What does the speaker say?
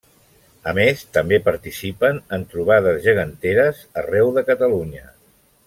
A més, també participen en trobades geganteres arreu de Catalunya.